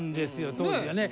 当時はね。